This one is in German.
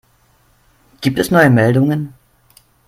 Gibt es neue Meldungen?